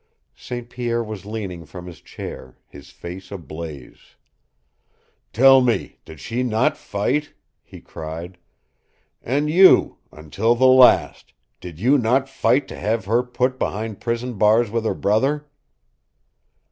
St. Pierre was leaning from his chair, his face ablaze. "Tell me, did she not fight?" he cried. "And YOU, until the last did you not fight to have her put behind prison bars with her brother?"